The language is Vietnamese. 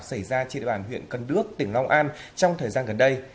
xảy ra trên địa bàn huyện cân đước tỉnh long an trong thời gian gần đây